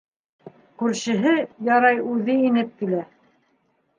Күршеһе, ярай, үҙе инеп килә.